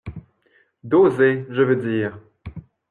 D’oser je veux dire.